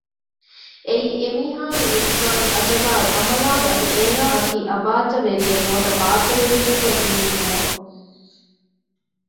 އެއީ އެ މީހާގެ ރިޒުގާއި އަޖަލާއި ޢަމަލާއި އަދި އޭނާއަކީ އަބާއްޖަވެރިއެއް ނުވަތަ ބާއްޖަވެރިއެއްތޯ ލިޔުއްވުމަށް